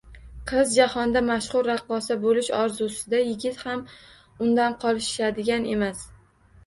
Qiz jahonga mashhur raqqosa boʼlish orzusida, yigit ham undan qolishadigan emas…